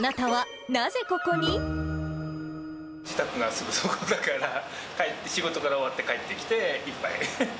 自宅がすぐそこだから、帰って、仕事から終わって帰ってきて、一杯。